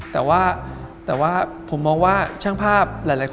แต่ว่าผมมองว่าช่างภาพหลายคน